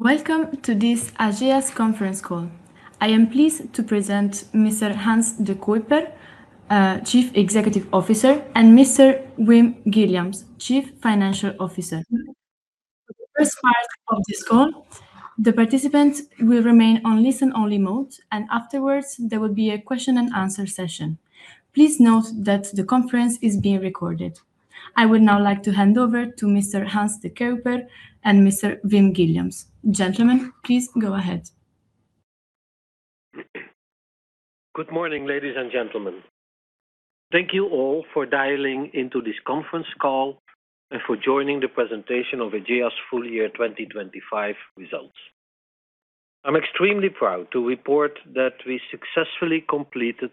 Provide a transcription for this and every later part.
Welcome to this Ageas conference call. I am pleased to present Mr. Hans De Cuyper, Chief Executive Officer, and Mr. Wim Guilliams, Chief Financial Officer. First part of this call, the participants will remain on listen-only mode, and afterwards, there will be a question-and-answer session. Please note that the conference is being recorded. I would now like to hand over to Mr. Hans De Cuyper and Mr. Wim Guilliams. Gentlemen, please go ahead. Good morning, ladies and gentlemen. Thank you all for dialing into this conference call and for joining the presentation of Ageas Full Year 2025 results. I'm extremely proud to report that we successfully completed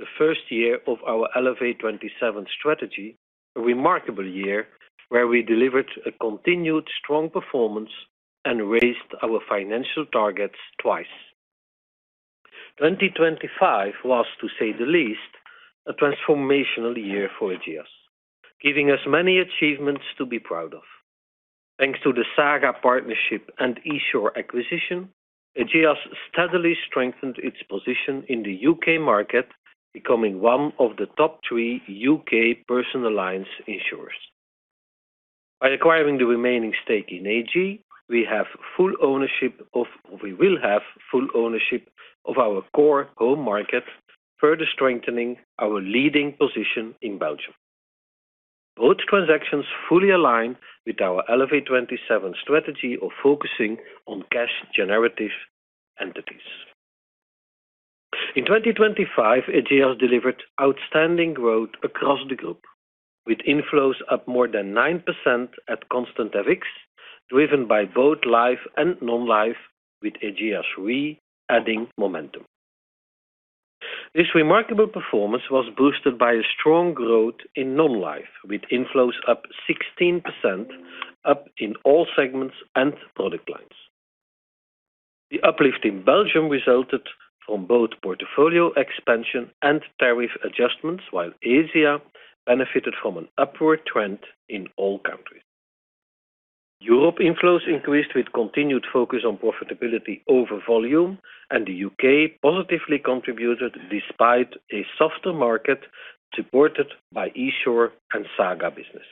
the first year of our Elevate27 strategy, a remarkable year where we delivered a continued strong performance and raised our financial targets twice. 2025 was, to say the least, a transformational year for Ageas, giving us many achievements to be proud of. Thanks to the Saga Partnership and Esure acquisition, Ageas steadily strengthened its position in the U.K. market, becoming one of the top 3 U.K. personal lines insurers. By acquiring the remaining stake in AG, We will have full ownership of our core home market, further strengthening our leading position in Belgium. Both transactions fully align with our Elevate27 strategy of focusing on cash-generative entities. In 2025, Ageas delivered outstanding growth across the group, with inflows up more than 9% at constant FX, driven by both life and non-life, with Ageas Re adding momentum. This remarkable performance was boosted by a strong growth in non-life, with inflows up 16%, up in all segments and product lines. The uplift in Belgium resulted from both portfolio expansion and tariff adjustments, while Asia benefited from an upward trend in all countries. Europe inflows increased with continued focus on profitability over volume. The U.K. positively contributed despite a softer market supported by Esure and Saga business.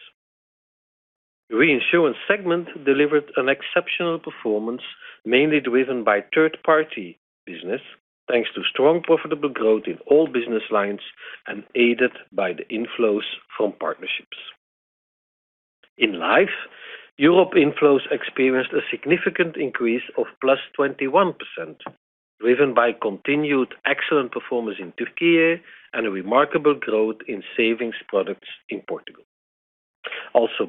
The reinsurance segment delivered an exceptional performance, mainly driven by third-party business, thanks to strong, profitable growth in all business lines and aided by the inflows from partnerships. In life, Europe inflows experienced a significant increase of +21%, driven by continued excellent performance in Türkiye and a remarkable growth in savings products in Portugal.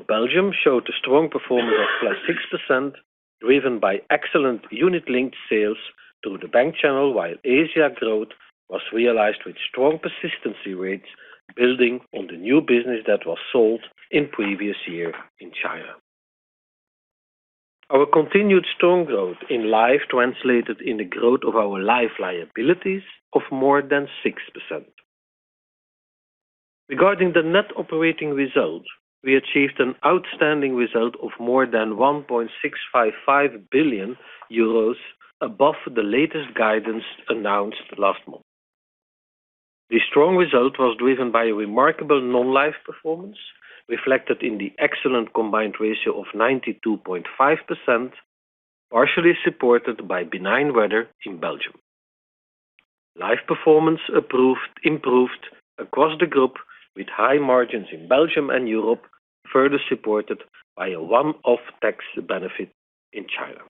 Belgium showed a strong performance of +6%, driven by excellent unit-linked sales through the bank channel, while Asia growth was realized with strong persistency rates, building on the new business that was sold in previous year in China. Our continued strong growth in life translated in the growth of our life liabilities of more than 6%. Regarding the net operating result, we achieved an outstanding result of more than 1.655 billion euros above the latest guidance announced last month. The strong result was driven by a remarkable non-life performance, reflected in the excellent combined ratio of 92.5%, partially supported by benign weather in Belgium. Life performance improved across the group, with high margins in Belgium and Europe, further supported by a one-off tax benefit in China.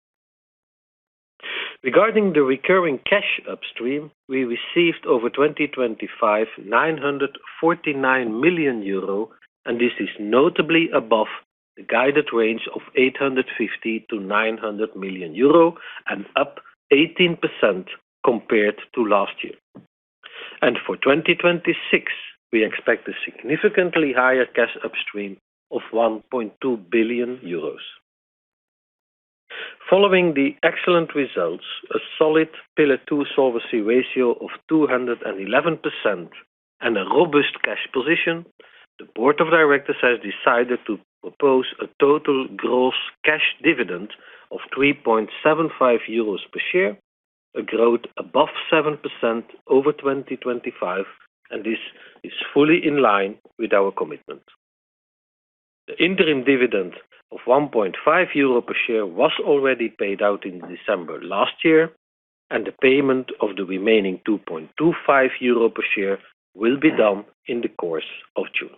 Regarding the recurring cash upstream, we received over 2025, 949 million euro, this is notably above the guided range of 850 million-900 million euro and up 18% compared to last year. For 2026, we expect a significantly higher cash upstream of 1.2 billion euros. Following the excellent results, a solid Pillar Two solvency ratio of 211% and a robust cash position, the board of directors has decided to propose a total gross cash dividend of 3.75 euros per share, a growth above 7% over 2025, this is fully in line with our commitment. The interim dividend of 1.5 euro per share was already paid out in December last year, and the payment of the remaining 2.25 euro per share will be done in the course of June.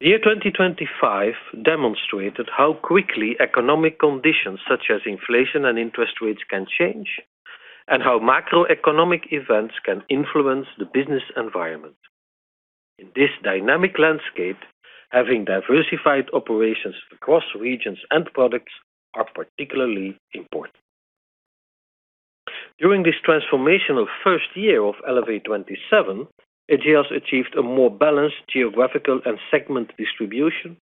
The year 2025 demonstrated how quickly economic conditions, such as inflation and interest rates, can change, and how macroeconomic events can influence the business environment. In this dynamic landscape, having diversified operations across regions and products are particularly important. During this transformational first year of Elevate27, Ageas achieved a more balanced geographical and segment distribution,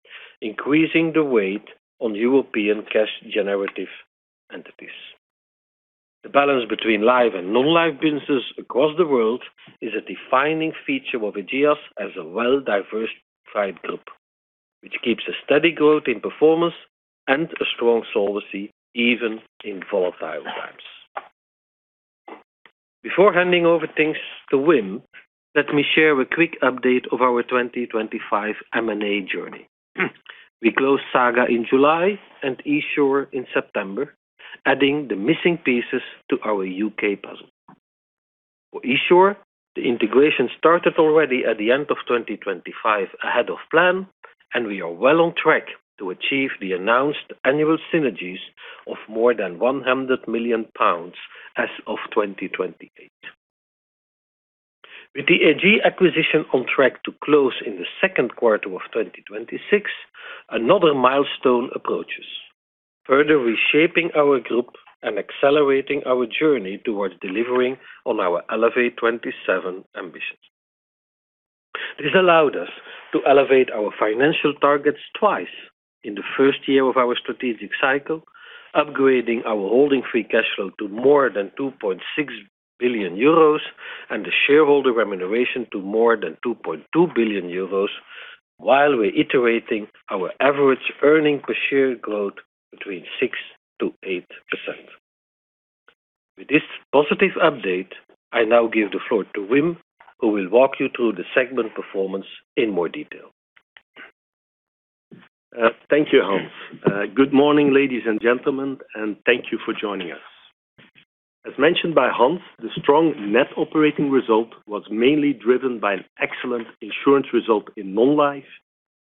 increasing the weight on European cash-generative entities. The balance between life and non-life businesses across the world is a defining feature of Ageas as a well-diversified group, which keeps a steady growth in performance and a strong solvency even in volatile times. Before handing over things to Wim, let me share a quick update of our 2025 M&A journey. We closed Saga in July and Esure in September, adding the missing pieces to our U.K. puzzle. For Esure, the integration started already at the end of 2025 ahead of plan, and we are well on track to achieve the announced annual synergies of more than 100 million pounds as of 2028. With the AG acquisition on track to close in the second quarter of 2026, another milestone approaches, further reshaping our group and accelerating our journey towards delivering on our Elevate 2027 ambitions. This allowed us to elevate our financial targets twice in the first year of our strategic cycle, upgrading our holding free cash flow to more than 2.6 billion euros and the shareholder remuneration to more than 2.2 billion euros, while we're iterating our average earning per share growth between 6%-8%. With this positive update, I now give the floor to Wim, who will walk you through the segment performance in more detail. Thank you, Hans. Good morning, ladies and gentlemen, and thank you for joining us. As mentioned by Hans, the strong net operating result was mainly driven by an excellent insurance result in non-life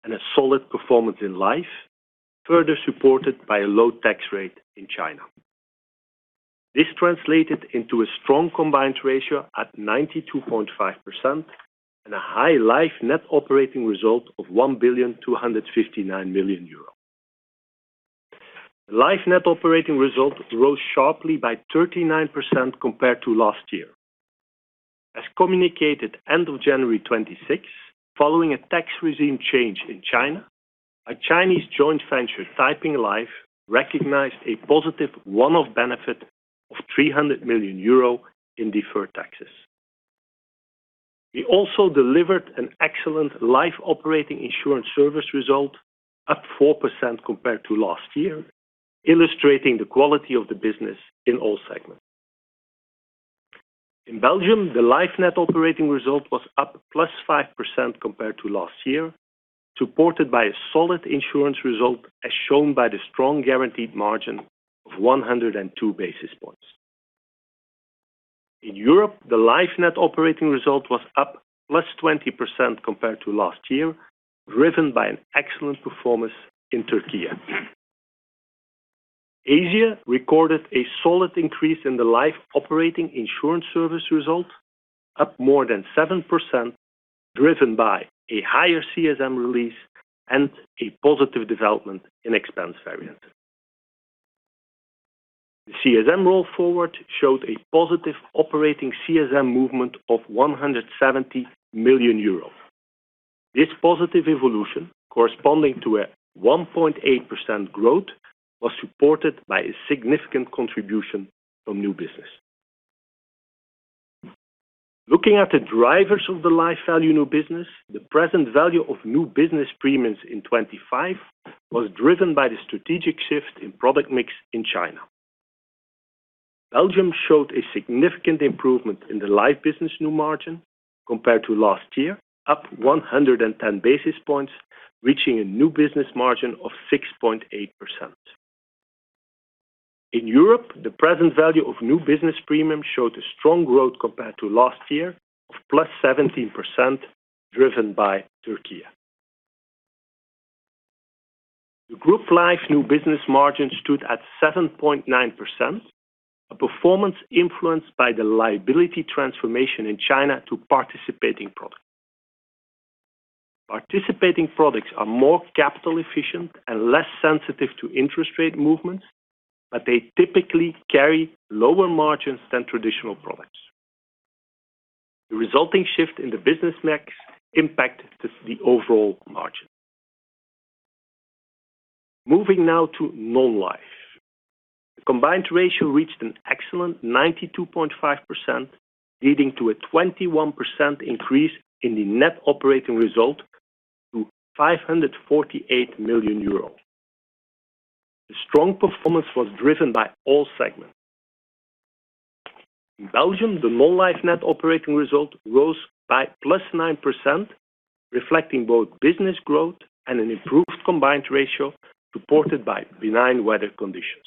and a solid performance in life, further supported by a low tax rate in China. This translated into a strong combined ratio at 92.5% and a high life net operating result of 1.259 billion euro. Life net operating result rose sharply by 39% compared to last year. As communicated end of January 26, following a tax regime change in China, a Chinese joint venture, Taiping Life, recognized a positive one-off benefit of 300 million euro in deferred taxes. We also delivered an excellent life operating insurance service result, up 4% compared to last year, illustrating the quality of the business in all segments. In Belgium, the life net operating result was up +5% compared to last year, supported by a solid insurance result, as shown by the strong guaranteed margin of 102 basis points. In Europe, the life net operating result was up +20% compared to last year, driven by an excellent performance in Türkiye. Asia recorded a solid increase in the life operating insurance service result, up more than 7%, driven by a higher CSM release and a positive development in expense variance. The CSM roll forward showed a positive operating CSM movement of 170 million euros. This positive evolution, corresponding to a 1.8% growth, was supported by a significant contribution from new business. Looking at the drivers of the life value new business, the present value of new business premiums in 2025 was driven by the strategic shift in product mix in China. Belgium showed a significant improvement in the life business new margin compared to last year, up 110 basis points, reaching a new business margin of 6.8%. In Europe, the present value of new business premiums showed a strong growth compared to last year of +17%, driven by Türkiye. The group life new business margin stood at 7.9%, a performance influenced by the liability transformation in China to participating products. Participating products are more capital efficient and less sensitive to interest rate movements, they typically carry lower margins than traditional products. The resulting shift in the business mix impact the overall margin. Moving now to non-life. The combined ratio reached an excellent 92.5%, leading to a 21% increase in the net operating result to 548 million euros. The strong performance was driven by all segments. In Belgium, the non-life net operating result rose by +9%, reflecting both business growth and an improved combined ratio, supported by benign weather conditions.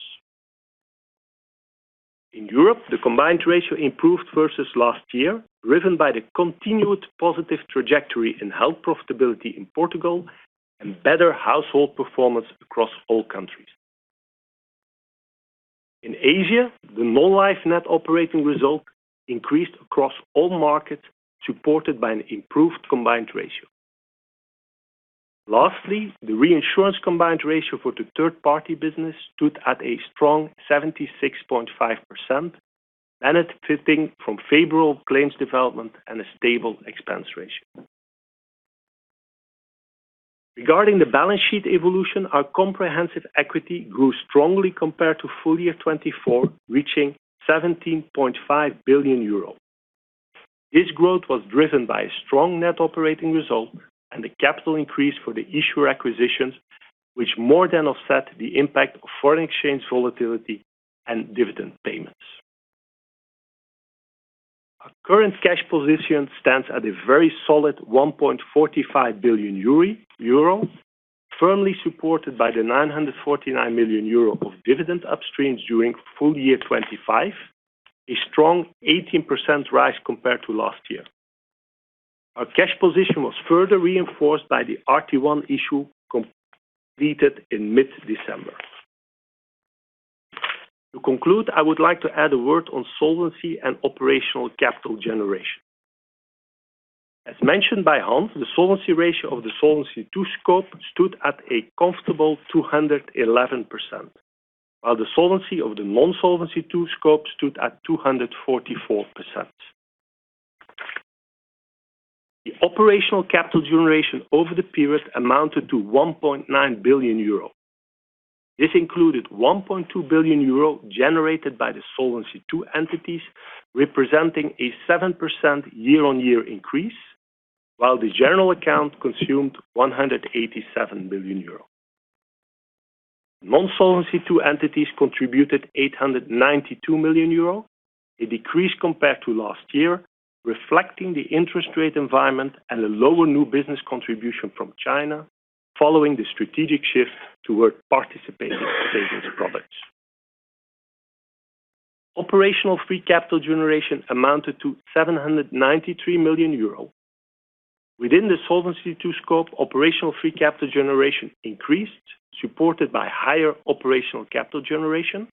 In Europe, the combined ratio improved versus last year, driven by the continued positive trajectory in health profitability in Portugal and better household performance across all countries. In Asia, the non-life net operating result increased across all markets, supported by an improved combined ratio. The reinsurance combined ratio for the third-party business stood at a strong 76.5%, benefiting from favorable claims development and a stable expense ratio. Regarding the balance sheet evolution, our comprehensive equity grew strongly compared to full year 2024, reaching 17.5 billion euros. This growth was driven by a strong net operating result and the capital increase for the Esure acquisitions, which more than offset the impact of foreign exchange volatility and dividend payments. Our current cash position stands at a very solid 1.45 billion euro, firmly supported by the 949 million euro of dividend upstreams during full year 2025, a strong 18% rise compared to last year. Our cash position was further reinforced by the RT1 issue completed in mid-December. To conclude, I would like to add a word on solvency and operational capital generation. As mentioned by Hans, the Solvency II ratio of the Solvency II scope stood at a comfortable 211%, while the solvency of the non-Solvency II scope stood at 244%. The Operational Capital Generation over the period amounted to 1.9 billion euro. This included 1.2 billion euro generated by the Solvency II entities, representing a 7% year-on-year increase, while the General Account consumed 187 billion euro. Non-Solvency II entities contributed 892 million euro, a decrease compared to last year, reflecting the interest rate environment and a lower new business contribution from China, following the strategic shift towards participating savings products. Operational Free Capital Generation amounted to 793 million euro. Within the Solvency II scope, Operational Free Capital Generation increased, supported by higher Operational Capital Generation.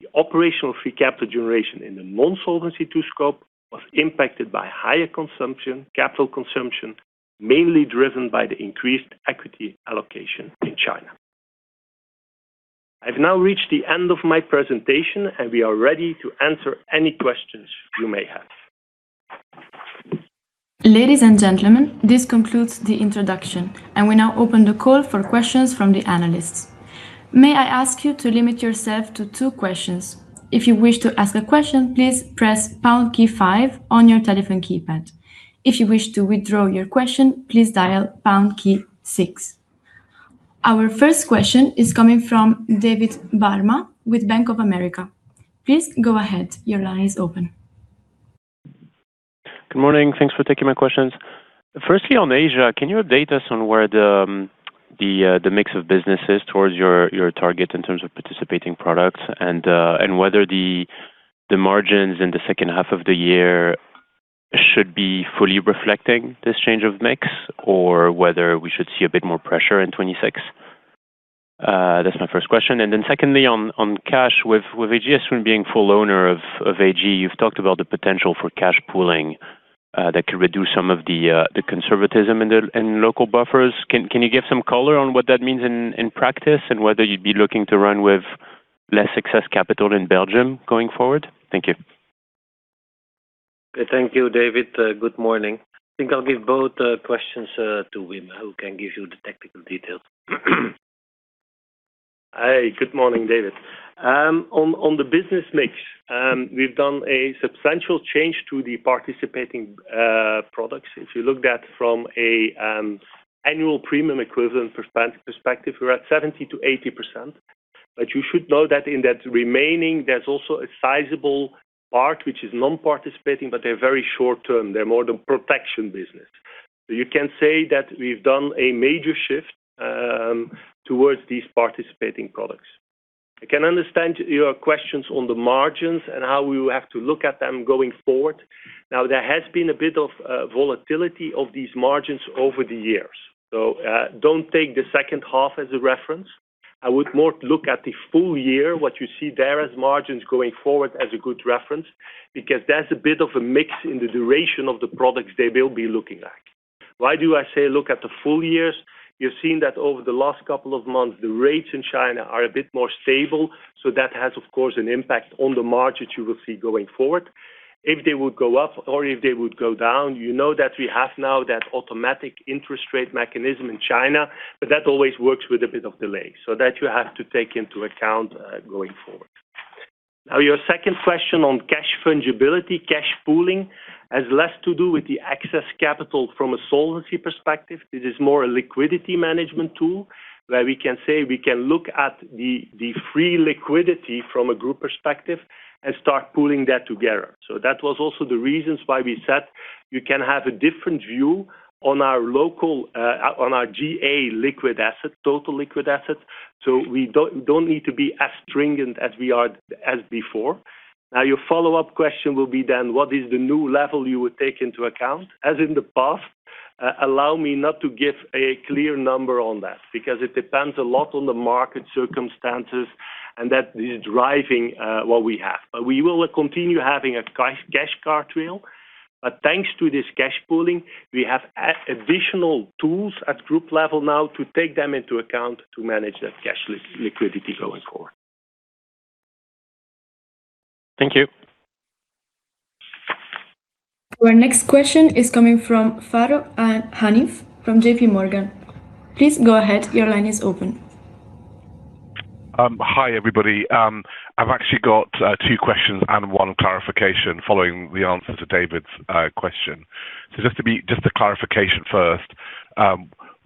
The Operational Free Capital Generation in the non-Solvency II scope was impacted by higher consumption, capital consumption, mainly driven by the increased equity allocation in China. I've now reached the end of my presentation. We are ready to answer any questions you may have. Ladies and gentlemen, this concludes the introduction, and we now open the call for questions from the analysts. May I ask you to limit yourself to two questions. If you wish to ask a question, please press pound key five on your telephone keypad. If you wish to withdraw your question, please dial pound key six. Our first question is coming from David Barma with Bank of America. Please go ahead. Your line is open. Good morning. Thanks for taking my questions. Firstly, on Asia, can you update us on where the mix of business is towards your target in terms of participating products and whether the margins in the second half of the year should be fully reflecting this change of mix, or whether we should see a bit more pressure in 2026? That's my first question. Secondly, on cash, with Ageas being full owner of AG, you've talked about the potential for cash pooling that could reduce some of the conservatism in local buffers. Can you give some color on what that means in practice, and whether you'd be looking to run with less excess capital in Belgium going forward? Thank you. Thank you, David. Good morning. I think I'll give both questions to Wim, who can give you the technical details. Hi, good morning, David. On the business mix, we've done a substantial change to the participating products. If you looked at from a Annual Premium Equivalent perspective, we're at 70% to 80%. You should know that in that remaining, there's also a sizable part, which is non-participating, but they're very short-term. They're more the protection business. You can say that we've done a major shift towards these participating products. I can understand your questions on the margins and how we will have to look at them going forward. There has been a bit of volatility of these margins over the years, don't take the second half as a reference. I would more look at the full year, what you see there as margins going forward as a good reference, because there's a bit of a mix in the duration of the products that we'll be looking at. Why do I say look at the full years? You're seeing that over the last couple of months, the rates in China are a bit more stable, so that has, of course, an impact on the margins you will see going forward. If they would go up or if they would go down, you know that we have now that automatic interest rate mechanism in China, but that always works with a bit of delay, so that you have to take into account, going forward. Now, your second question on cash fungibility, cash pooling, has less to do with the excess capital from a solvency perspective. This is more a liquidity management tool, where we can say we can look at the free liquidity from a group perspective and start pooling that together. That was also the reasons why we said you can have a different view on our local, on our GA liquid asset, total liquid asset, so we don't need to be as stringent as we are as before. Your follow-up question will be then: What is the new level you would take into account? As in the past, allow me not to give a clear number on that because it depends a lot on the market circumstances and that is driving what we have. We will continue having a cash cartwheel, but thanks to this cash pooling, we have additional tools at group level now to take them into account to manage that cash liquidity going forward. Thank you. Our next question is coming from Farooq Hanif from J.P. Morgan. Please go ahead. Your line is open. Hi, everybody. I've actually got two questions and one clarification following the answer to David's question. Just a clarification first.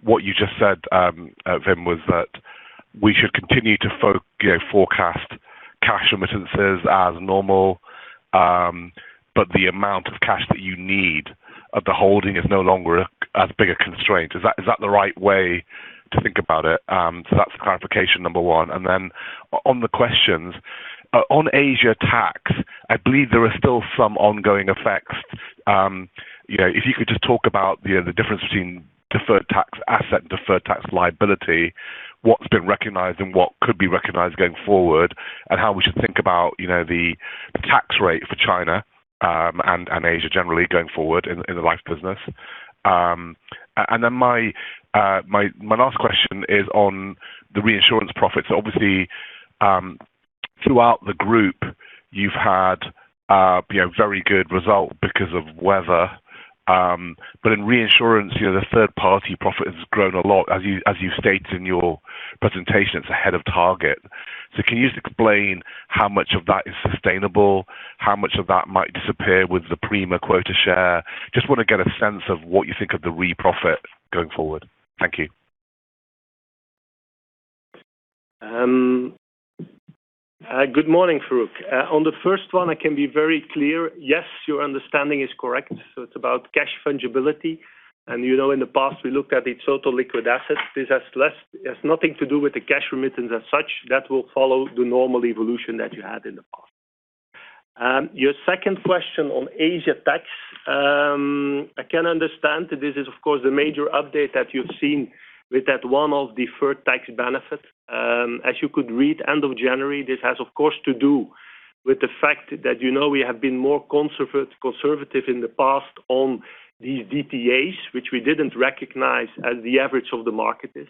What you just said, Wim, was that we should continue to, you know, forecast cash remittances as normal, but the amount of cash that you need of the holding is no longer as big a constraint. Is that the right way to think about it? That's clarification number one, and then on the questions. On Asia tax, I believe there are still some ongoing effects. You know, if you could just talk about, you know, the difference between deferred tax asset and deferred tax liability, what's been recognized and what could be recognized going forward, and how we should think about, you know, the tax rate for China and Asia generally going forward in the life business. My last question is on the reinsurance profits. Obviously, throughout the group, you've had, you know, very good result because of weather, but in reinsurance, you know, the third-party profit has grown a lot. As you stated in your presentation, it's ahead of target. Can you just explain how much of that is sustainable? How much of that might disappear with the Prima quota share? Just want to get a sense of what you think of the re-profit going forward. Thank you. Good morning, Farooq. On the first one, I can be very clear. Yes, your understanding is correct, so it's about cash fungibility, and, you know, in the past, we looked at its total liquid assets. This has nothing to do with the cash remittance as such. That will follow the normal evolution that you had in the past. Your second question on Asia tax, I can understand. This is, of course, the major update that you've seen with that one-off deferred tax benefit. As you could read, end of January, this has, of course, to do with the fact that, you know, we have been more conservative in the past on these DTAs, which we didn't recognize as the average of the market is.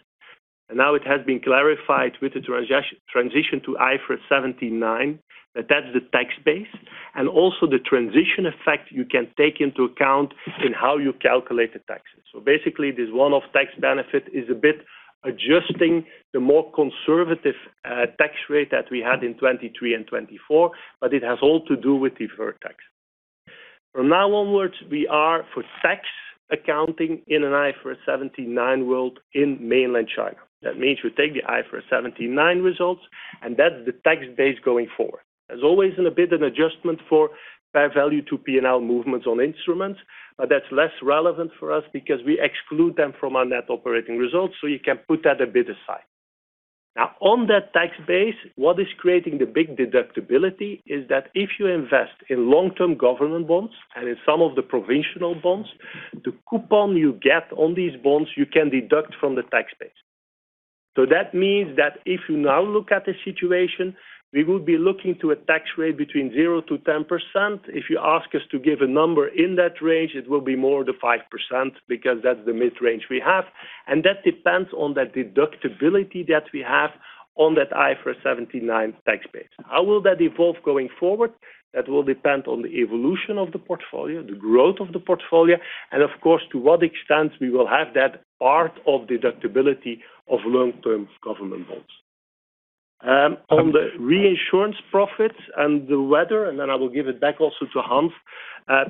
Now it has been clarified with the transition to IFRS 1790, that that's the tax base, and also the transition effect you can take into account in how you calculate the taxes. Basically, this one-off tax benefit is a bit adjusting the more conservative tax rate that we had in 2023 and 2024, but it has all to do with deferred tax. From now onwards, we are, for tax accounting in an IFRS 179 world in mainland China. That means we take the IFRS 179 results, and that's the tax base going forward. There's always been a bit an adjustment for fair value to P&L movements on instruments, but that's less relevant for us because we exclude them from our net operating results, so you can put that a bit aside. On that tax base, what is creating the big deductibility is that if you invest in long-term government bonds and in some of the provincial bonds, the coupon you get on these bonds, you can deduct from the tax base. That means that if you now look at the situation, we will be looking to a tax rate between 0%-10%. If you ask us to give a number in that range, it will be more the 5%, because that's the mid-range we have, and that depends on the deductibility that we have on that IFRS 179 tax base. How will that evolve going forward? That will depend on the evolution of the portfolio, the growth of the portfolio, and of course, to what extent we will have that part of deductibility of long-term government bonds. On the reinsurance profits and the weather, and then I will give it back also to Hans.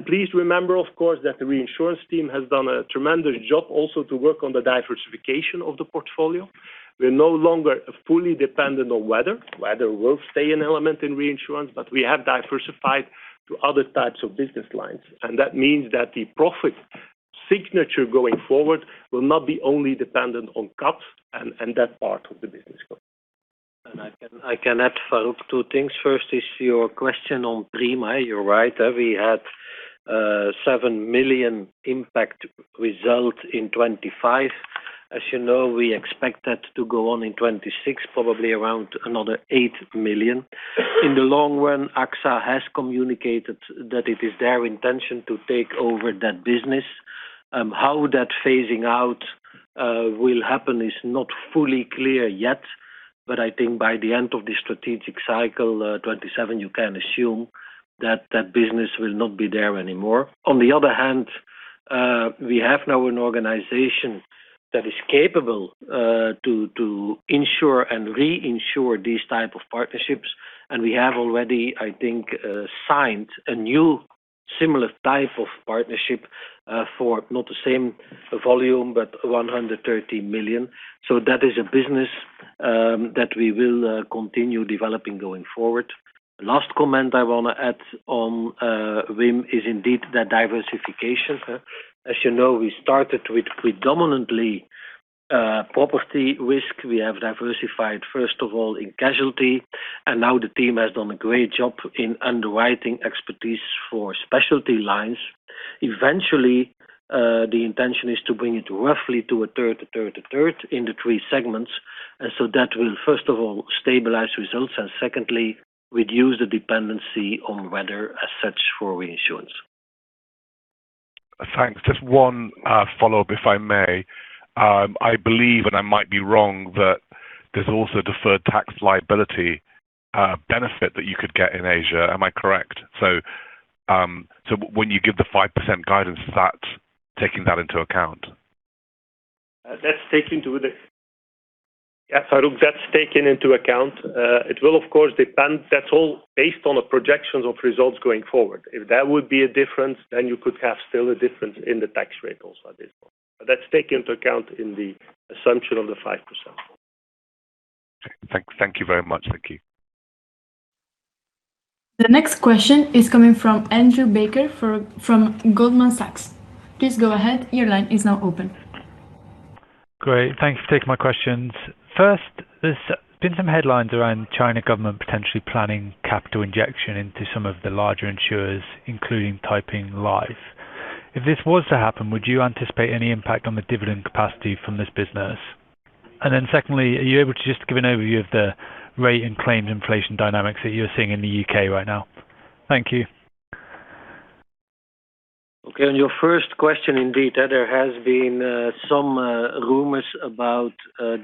Please remember, of course, that the reinsurance team has done a tremendous job also to work on the diversification of the portfolio. We're no longer fully dependent on weather. Weather will stay an element in reinsurance, but we have diversified to other types of business lines, and that means that the profit signature going forward will not be only dependent on caps and that part of the business going. I can add, Farooq, two things. First is your question on Prima. You're right. We had 7 million impact result in 2025. As you know, we expect that to go on in 2026, probably around another 8 million. In the long run, AXA has communicated that it is their intention to take over that business. How that phasing out will happen is not fully clear yet, but I think by the end of the strategic cycle, 2027, you can assume that that business will not be there anymore. On the other hand, we have now an organization that is capable to insure and reinsure these type of partnerships, and we have already, I think, signed a new similar type of partnership for not the same volume, but 130 million. That is a business, that we will continue developing going forward. Last comment I want to add on, Wim, is indeed the diversification. As you know, we started with predominantly, property risk. We have diversified, first of all, in casualty, and now the team has done a great job in underwriting expertise for specialty lines. Eventually, the intention is to bring it roughly to a third, a third, a third in the three segments, that will, first of all, stabilize results and secondly, reduce the dependency on weather as such for reinsurance. Thanks. Just one follow-up, if I may. I believe, and I might be wrong, that there's also deferred tax liability benefit that you could get in Asia. Am I correct? When you give the 5% guidance, is that taking that into account? Yeah, Farooq, that's taken into account. It will, of course, depend. That's all based on the projections of results going forward. If that would be a difference, then you could have still a difference in the tax rate also at this point. That's taken into account in the assumption of the 5%. Thank you very much. Thank you. The next question is coming from Andrew Baker from Goldman Sachs. Please go ahead. Your line is now open. Great, thanks for taking my questions. First, there's been some headlines around China government potentially planning capital injection into some of the larger insurers, including Taiping Life. If this was to happen, would you anticipate any impact on the dividend capacity from this business? Secondly, are you able to just give an overview of the rate and claims inflation dynamics that you're seeing in the UK right now? Thank you. Okay, on your first question, indeed, there has been some rumors about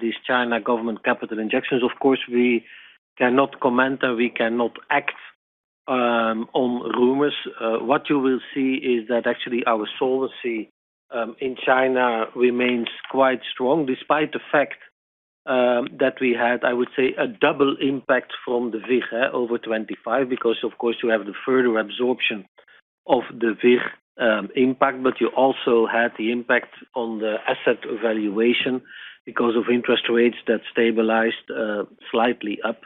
these China government capital injections. Of course, we cannot comment, and we cannot act on rumors. What you will see is that actually our solvency in China remains quite strong, despite the fact that we had, I would say, a double impact from the VIG over 25, because, of course, you have the further absorption of the VIG impact, but you also had the impact on the asset valuation because of interest rates that stabilized slightly up.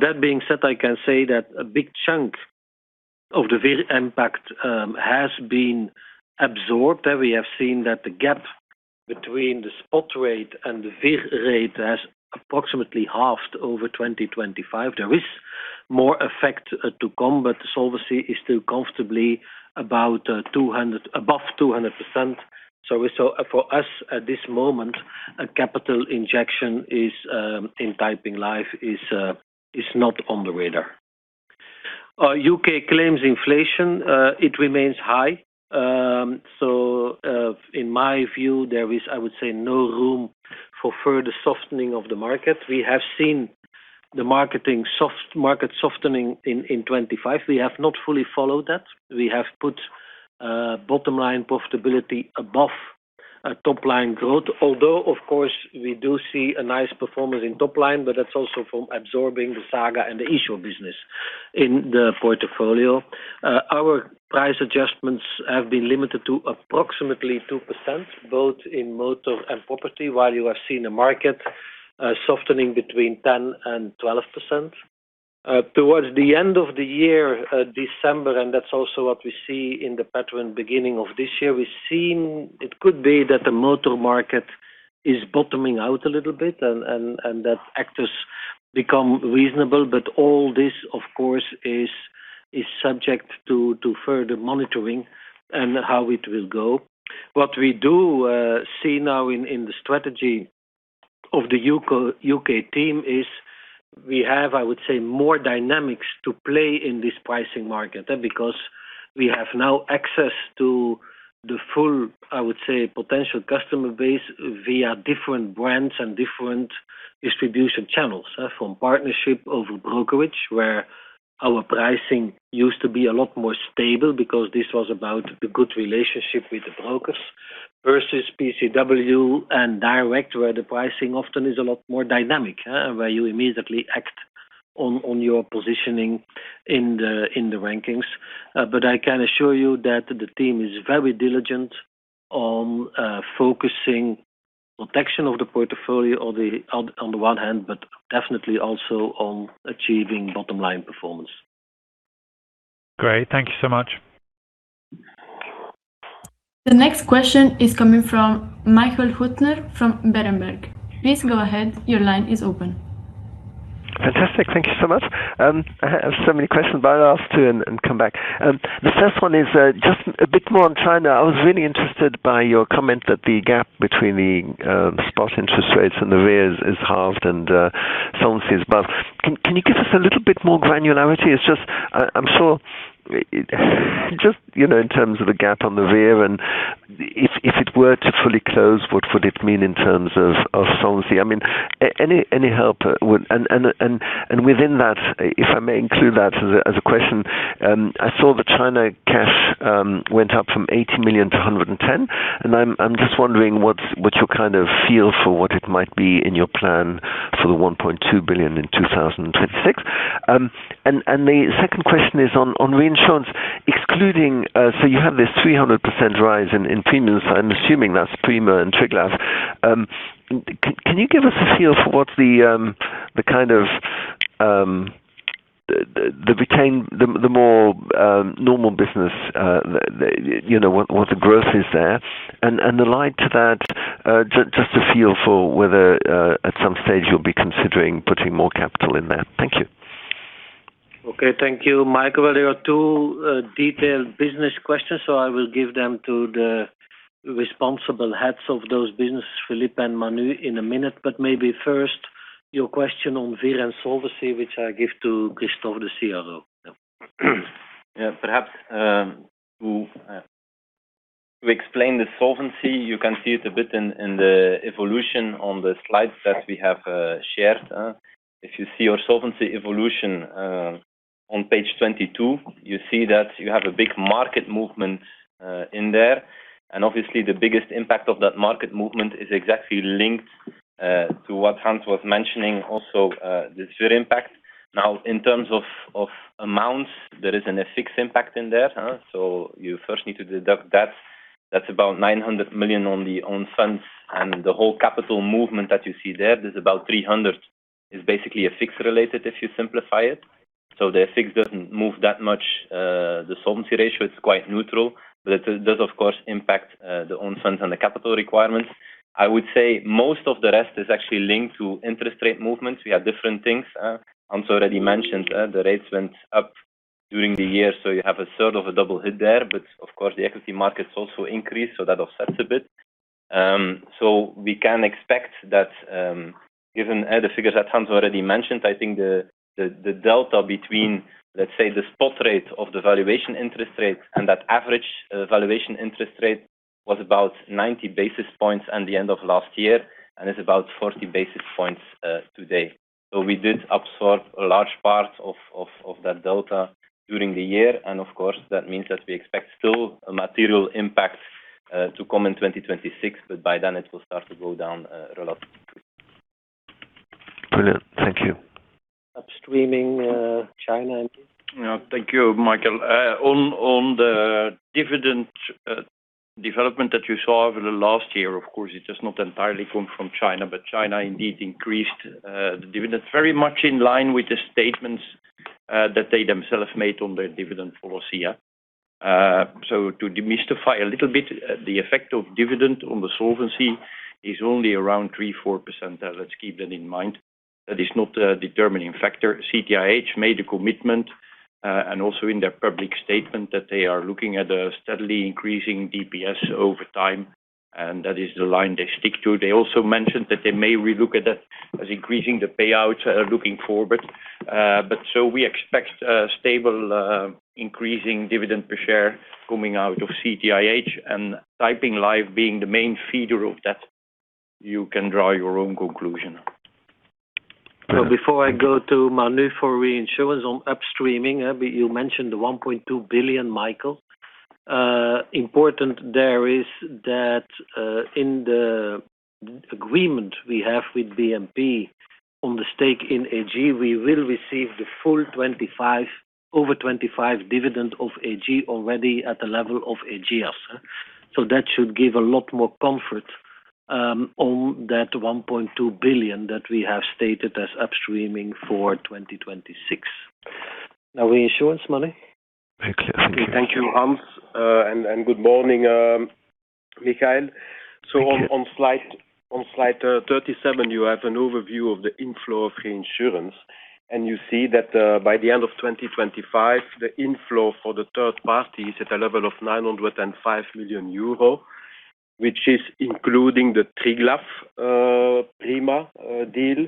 That being said, I can say that a big chunk of the VIG impact has been absorbed, and we have seen that the gap between the spot rate and the VIG rate has approximately halved over 2025. There is more effect to come. The solvency is still comfortably above 200%. We saw, for us at this moment, a capital injection in Taiping Life is not on the radar. UK claims inflation, it remains high. In my view, there is, I would say, no room for further softening of the market. We have seen the market softening in 25. We have not fully followed that. We have put bottom line profitability above top-line growth. Of course, we do see a nice performance in top line. That's also from absorbing the Saga and the Esure business in the portfolio. Our price adjustments have been limited to approximately 2%, both in motor and property, while you have seen the market softening between 10% and 12%. Towards the end of the year, December, that's also what we see in the pattern beginning of this year. We've seen it could be that the motor market is bottoming out a little bit and that actors become reasonable, all this, of course, is subject to further monitoring and how it will go. What we do see now in the strategy of the UK team is we have, I would say, more dynamics to play in this pricing market, because we have now access to the full, I would say, potential customer base via different brands and different distribution channels, from partnership over brokerage, where our pricing used to be a lot more stable because this was about the good relationship with the brokers, versus PCW and direct, where the pricing often is a lot more dynamic, where you immediately act on your positioning in the rankings. I can assure you that the team is very diligent on focusing protection of the portfolio on the one hand, but definitely also on achieving bottom line performance. Great. Thank you so much. The next question is coming from Michael Huttner, from Berenberg. Please go ahead. Your line is open. Fantastic. Thank you so much. I have so many questions, but I'll ask two and come back. The first one is just a bit more on China. I was really interested by your comment that the gap between the spot interest rates and the VIG is halved and solvency is above. Can you give us a little bit more granularity? It's just, I'm sure, you know, in terms of the gap on the VIG and if it were to fully close, what would it mean in terms of solvency? I mean, any help would... Within that, if I may include that as a question, I saw the China cash went up from 80 million to 110 million, and I'm just wondering what's your kind of feel for what it might be in your plan for the 1.2 billion in 2026. The second question is on reinsurance, excluding, so you have this 300% rise in premiums. I'm assuming that's Prima and Triglav. Can you give us a feel for what the kind of the retained, the more normal business, you know, what the growth is there? The light to that, just to feel for whether at some stage you'll be considering putting more capital in there. Thank you. Thank you, Michael. There are two detailed business questions. I will give them to the responsible heads of those businesses, Filip and Manu, in a minute. Maybe first, your question on VR and solvency, which I give to Christophe, the CRO. Perhaps to explain the solvency, you can see it a bit in the evolution on the slides that we have shared. If you see your solvency evolution on page 22, you see that you have a big market movement in there. Obviously, the biggest impact of that market movement is exactly linked to what Hans was mentioning, also, the SUR impact. In terms of amounts, there is an F6 impact in there, so you first need to deduct that. That's about 900 million on the own funds, the whole capital movement that you see there's about 300, is basically a fixed related, if you simplify it. The F6 doesn't move that much, the solvency ratio, it's quite neutral, but it does, of course, impact the own funds and the capital requirements. I would say most of the rest is actually linked to interest rate movements. We have different things, Hans already mentioned, the rates went up during the year, so you have a sort of a double hit there, but of course, the equity markets also increased, so that offsets a bit. We can expect that, given the figures that Hans already mentioned, I think the delta between, let's say, the spot rate of the valuation interest rate and that average valuation interest rate was about 90 basis points at the end of last year, and is about 40 basis points today. We did absorb a large part of that delta during the year, and of course, that means that we expect still a material impact to come in 2026, but by then it will start to go down relatively. Brilliant. Thank you. Upstreaming, China. Yeah. Thank you, Michael. On the dividend development that you saw over the last year, of course, it does not entirely come from China, but China indeed increased the dividend very much in line with the statements that they themselves made on their dividend policy, yeah. To demystify a little bit, the effect of dividend on the solvency is only around 3%, 4%. Let's keep that in mind. That is not a determining factor. CTIH made a commitment, and also in their public statement, that they are looking at a steadily increasing DPS over time, and that is the line they stick to. They also mentioned that they may relook at that as increasing the payout looking forward. We expect a stable, increasing dividend per share coming out of CTIH, and Taiping Life being the main feeder of that, you can draw your own conclusion. Before I go to Manu for reinsurance on upstreaming, you mentioned the 1.2 billion, Michael. Important there is that, in the agreement we have with BNP on the stake in AG, we will receive the full 25, over 25 dividend of AG already at the level of Ageas. That should give a lot more comfort on that 1.2 billion that we have stated as upstreaming for 2026. Now, reinsurance, Manu? Thank you. Thank you, Hans. Good morning, Michael. On slide 37, you have an overview of the inflow of reinsurance, you see that by the end of 2025, the inflow for the third party is at a level of 905 million euro, which is including the Triglav Prima deal,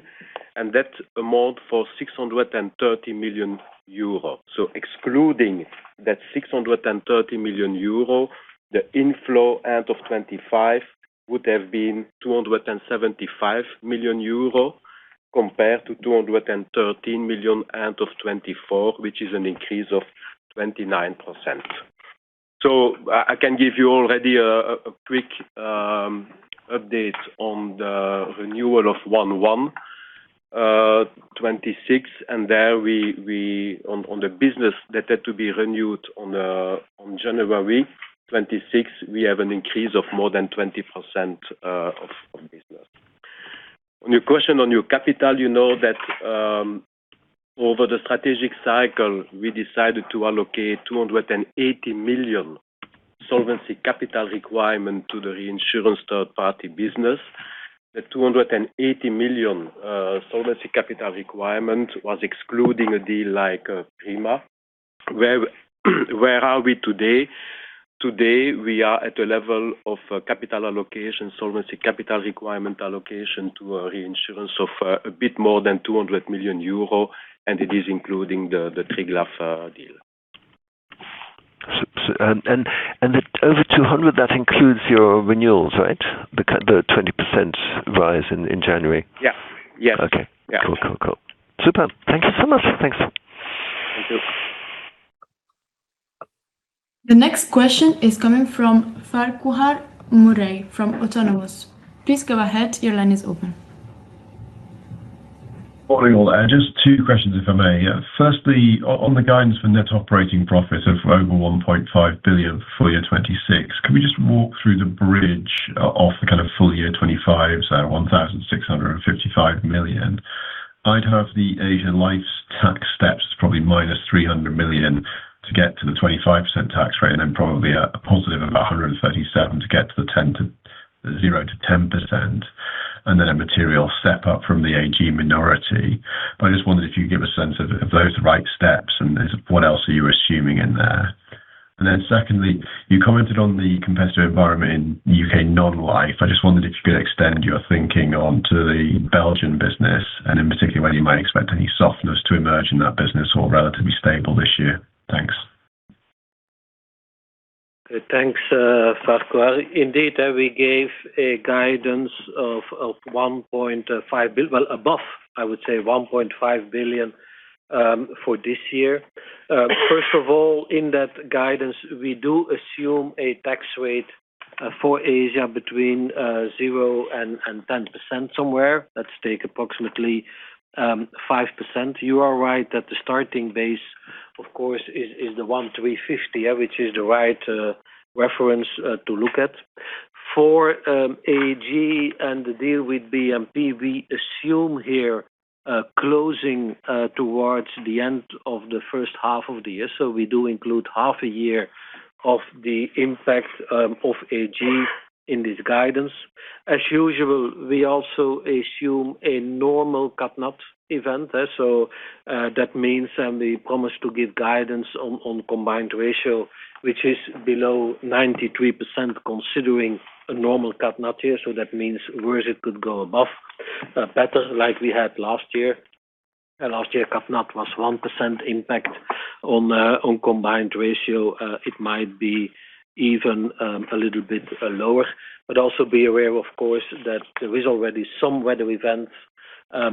and that amount for 630 million euro. Excluding that 630 million euro, the inflow end of 2025 would have been 275 million euro compared to 213 million end of 2024, which is an increase of 29%. I can give you already a quick update on the renewal of 1/1/2026, there on the business that had to be renewed on January 26, we have an increase of more than 20% of business. On your question on your capital, you know that over the strategic cycle, we decided to allocate 280 million Solvency Capital Requirement to the reinsurance third party business. The 280 million Solvency Capital Requirement was excluding a deal like Prima. Where are we today? Today, we are at a level of capital allocation, Solvency Capital Requirement allocation to a reinsurance of a bit more than 200 million euro, it is including the Triglav deal. Over 200, that includes your renewals, right? The 20% rise in January. Yeah. Yes. Okay. Yeah. Cool, cool. Super. Thank you so much. Thanks. Thank you. The next question is coming from Farquhar Murray from Autonomous. Please go ahead. Your line is open. Morning, all. Just two questions, if I may. Firstly, on the guidance for net operating profits of over 1.5 billion full year 2026, can we just walk through the bridge off the kind of full year 2025, so 1,655 million? I'd have the Asian life's tax steps, probably minus 300 million, to get to the 25% tax rate, and then probably a positive of 137 to get to the zero to 10%, and then a material step up from the AG minority. I just wondered if you could give a sense of, are those the right steps, and what else are you assuming in there? Secondly, you commented on the competitive environment in UK non-life. I just wondered if you could extend your thinking on to the Belgian business, and in particular, whether you might expect any softness to emerge in that business or relatively stable this year. Thanks. Thanks, Farquhar. Indeed, we gave a guidance of well above, I would say, 1.5 billion for this year. First of all, in that guidance, we do assume a tax rate for Asia between zero and 10% somewhere. Let's take approximately 5%. You are right that the starting base, of course, is the 1,350, which is the right reference to look at. For AG and the deal with BNP Paribas, we assume here closing towards the end of the first half of the year. We do include half a year of the impact of AG in this guidance. As usual, we also assume a normal Cat Nat event. That means we promise to give guidance on combined ratio, which is below 93%, considering a normal Cat Nat here. That means worse, it could go above, better, like we had last year. Last year, Cat Nat was 1% impact on combined ratio. It might be even a little bit lower. Also be aware, of course, that there is already some weather events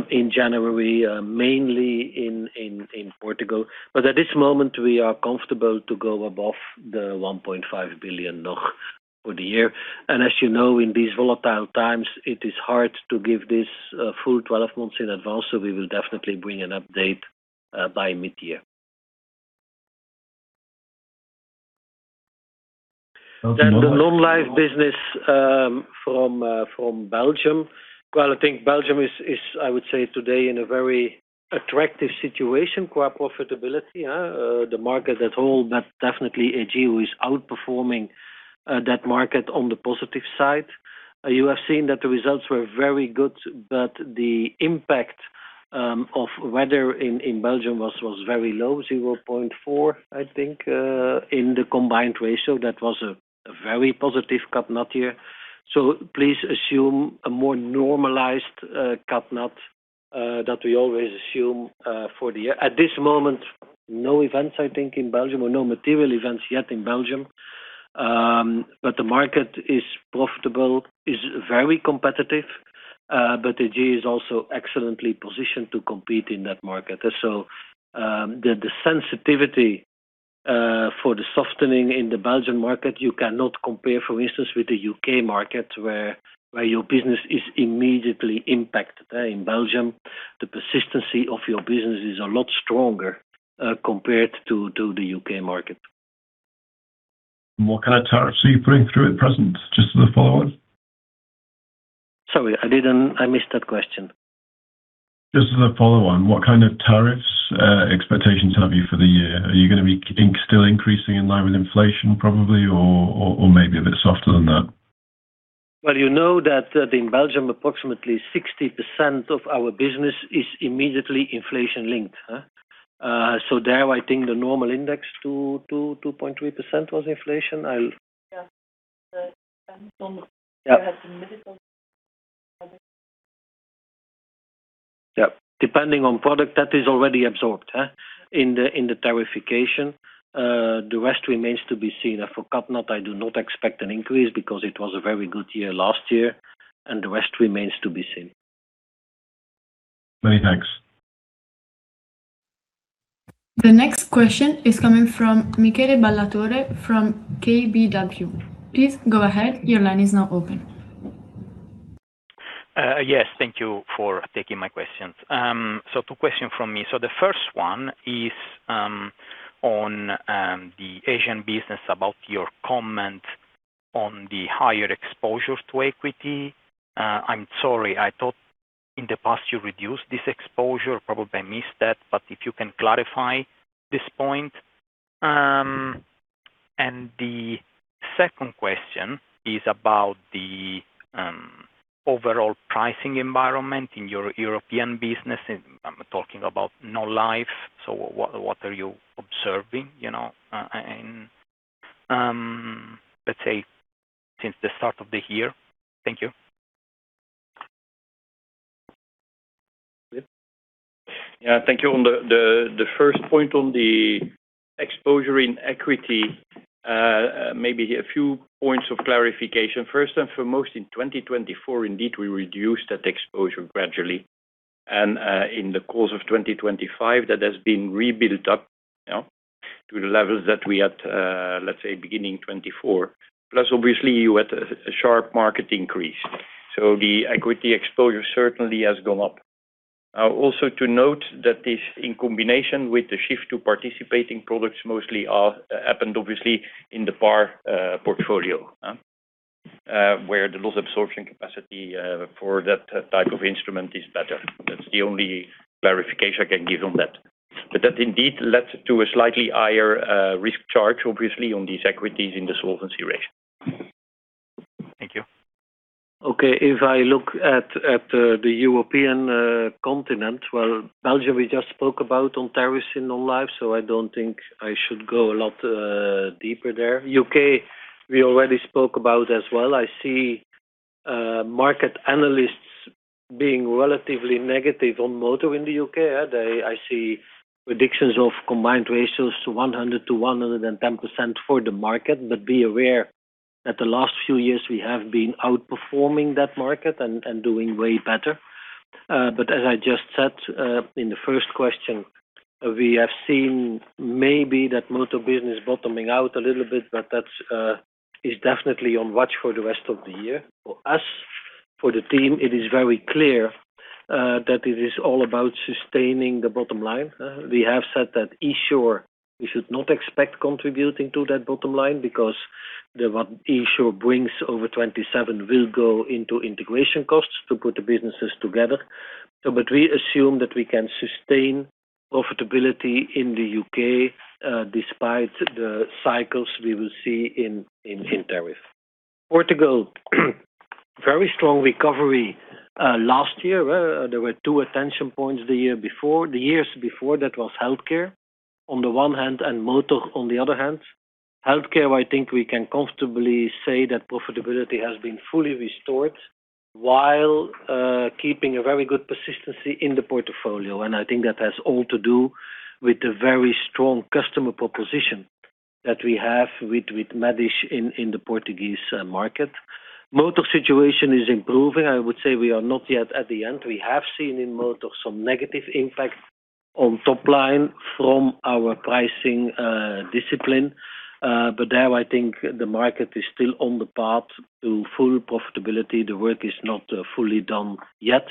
in January, mainly in Portugal. At this moment, we are comfortable to go above the 1.5 billion nog for the year. As you know, in these volatile times, it is hard to give this full 12 months in advance, so we will definitely bring an update by mid-year. The non-life business from Belgium. Well, I think Belgium is, I would say, today, in a very attractive situation qua profitability, the market as a whole, but definitely AG, who is outperforming that market on the positive side. You have seen that the results were very good, but the impact of weather in Belgium was very low, 0.4%, I think, in the combined ratio. That was a very positive Cat Nat year. Please assume a more normalized Cat Nat that we always assume for the year. At this moment, no events, I think, in Belgium, or no material events yet in Belgium. The market is profitable, is very competitive, but AG is also excellently positioned to compete in that market. The sensitivity for the softening in the Belgian market, you cannot compare, for instance, with the UK market, where your business is immediately impacted. In Belgium, the persistency of your business is a lot stronger, compared to the UK market. What kind of tariffs are you putting through at present? Just as a follow-up. Sorry, I missed that question. Just as a follow on, what kind of tariffs, expectations have you for the year? Are you going to be still increasing in line with inflation, probably, or maybe a bit softer than that? Well, you know that, in Belgium, approximately 60% of our business is immediately inflation-linked, so there, I think the normal index to 2.3% was inflation. Yeah. Yeah. Depending on product, that is already absorbed in the tariffication. The rest remains to be seen. For Cat Nat, I do not expect an increase because it was a very good year last year, and the rest remains to be seen. Many thanks. The next question is coming from Michele Ballatore from KBW. Please go ahead. Your line is now open. Yes, thank you for taking my questions. Two questions from me. The first one is on the Asian business, about your comment on the higher exposure to equity. I'm sorry, I thought in the past, you reduced this exposure. Probably, I missed that, but if you can clarify this point. The second question is about the overall pricing environment in your European business. I'm talking about non-life, what are you observing, you know, let's say, since the start of the year? Thank you. Yeah, thank you. On the first point on the exposure in equity, maybe a few points of clarification. First and foremost, in 2024, indeed, we reduced that exposure gradually, and in the course of 2025, that has been rebuilt up, you know, to the levels that we had, let's say, beginning 2024. Obviously, you had a sharp market increase, so the equity exposure certainly has gone up. Also to note that this, in combination with the shift to participating products, mostly, happened obviously in the PAR portfolio, where the loss absorption capacity for that type of instrument is better. That's the only clarification I can give on that. That indeed led to a slightly higher risk charge, obviously, on these equities in the solvency ratio. Thank you. If I look at the European continent, well, Belgium, we just spoke about on terrorism non-life, I don't think I should go a lot deeper there. U.K., we already spoke about as well. I see market analysts being relatively negative on motor in the U.K. I see predictions of combined ratios to 100%-110% for the market, be aware that the last few years we have been outperforming that market and doing way better. As I just said, in the first question, we have seen maybe that motor business bottoming out a little bit, that's definitely on watch for the rest of the year. For us, for the team, it is very clear that it is all about sustaining the bottom line. We have said that Esure, we should not expect contributing to that bottom line because the what Esure brings over 27 will go into integration costs to put the businesses together. We assume that we can sustain profitability in the UK, despite the cycles we will see in tariff. Portugal, very strong recovery. Last year, there were 2 attention points the year before. The years before, that was healthcare on the one hand and motor on the other hand. Healthcare, I think we can comfortably say that profitability has been fully restored while keeping a very good persistency in the portfolio, and I think that has all to do with the very strong customer proposition that we have with Médis in the Portuguese market. Motor situation is improving. I would say we are not yet at the end. We have seen in motor some negative impact on top line from our pricing discipline. I think the market is still on the path to full profitability. The work is not fully done yet.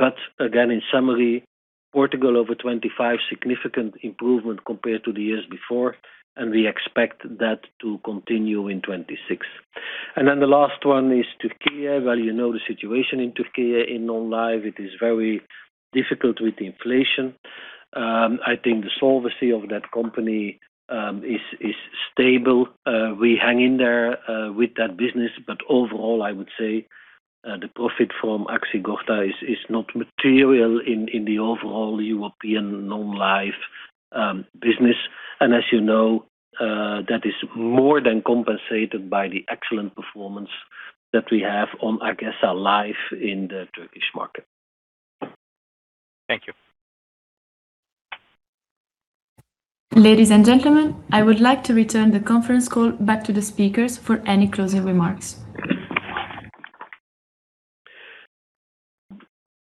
In summary, Portugal over 25, significant improvement compared to the years before, and we expect that to continue in 26. The last one is Turkey. You know the situation in Turkey, in non-life, it is very difficult with inflation. I think the solvency of that company is stable. We hang in there with that business, but overall, I would say the profit from Aksigorta is not material in the overall European non-life business. As you know, that is more than compensated by the excellent performance that we have on AgeSA Life in the Turkish market. Thank you. Ladies and gentlemen, I would like to return the conference call back to the speakers for any closing remarks.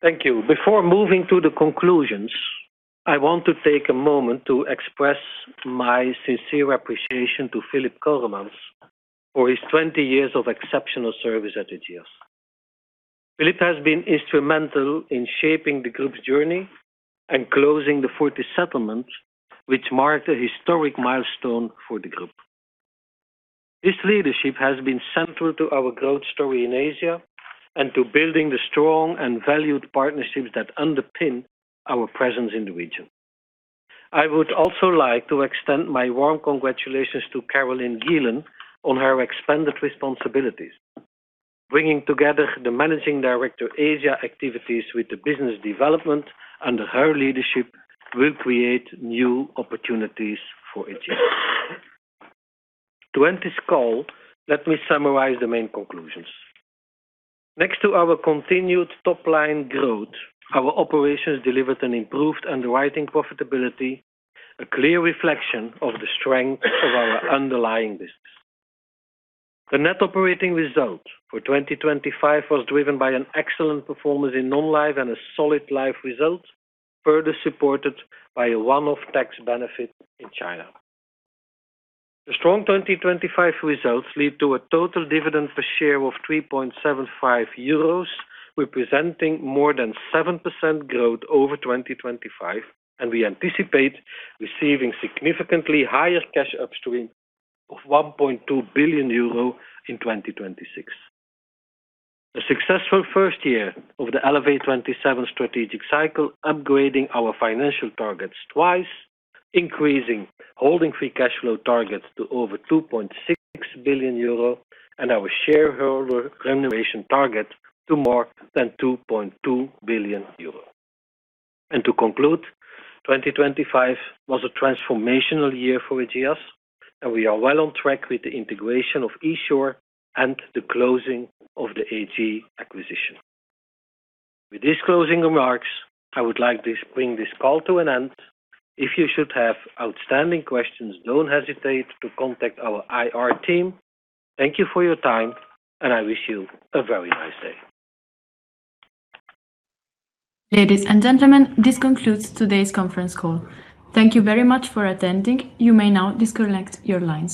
Thank you. Before moving to the conclusions, I want to take a moment to express my sincere appreciation to Filip Coremans for his 20 years of exceptional service at Ageas. Filip has been instrumental in shaping the group's journey and closing the Fortis settlement, which marked a historic milestone for the group. His leadership has been central to our growth story in Asia and to building the strong and valued partnerships that underpin our presence in the region. I would also like to extend my warm congratulations to Karolien Gielen on her expanded responsibilities. Bringing together the Managing Director Asia activities with the business development under her leadership will create new opportunities for Ageas. To end this call, let me summarize the main conclusions. Next to our continued top-line growth, our operations delivered an improved underwriting profitability, a clear reflection of the strength of our underlying business. The net operating result for 2025 was driven by an excellent performance in non-life and a solid life result, further supported by a one-off tax benefit in China. The strong 2025 results lead to a total dividend per share of 3.75 euros, representing more than 7% growth over 2025, and we anticipate receiving significantly higher cash upstream of 1.2 billion euro in 2026. A successful first year of the Elevate27 strategic cycle, upgrading our financial targets twice, increasing holding free cash flow targets to over 2.6 billion euro, and our shareholder remuneration target to more than 2.2 billion euro. To conclude, 2025 was a transformational year for Ageas, and we are well on track with the integration of Esure and the closing of the AG acquisition. With these closing remarks, I would like to bring this call to an end. If you should have outstanding questions, don't hesitate to contact our IR team. Thank you for your time, and I wish you a very nice day. Ladies and gentlemen, this concludes today's conference call. Thank you very much for attending. You may now disconnect your lines.